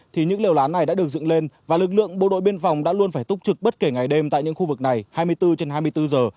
thì những liều lán này đã được dựng lên và lực lượng bộ đội biên phòng đã luôn phải túc trực bất kể ngày đêm tại những khu vực này hai mươi bốn trên hai mươi bốn giờ